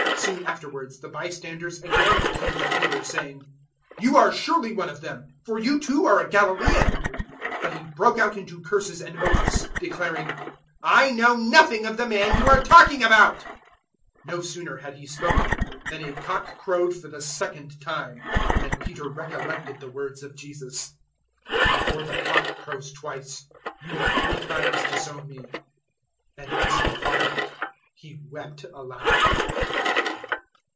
Soon afterwards the bystanders again accused Peter, saying, "You are surely one of them, for you too are a Galilaean." 014:071 But he broke out into curses and oaths, declaring, "I know nothing of the man you are talking about." 014:072 No sooner had he spoken than a cock crowed for the second time, and Peter recollected the words of Jesus, "Before the cock crows twice, you will three times disown me." And as he thought of it, he wept aloud.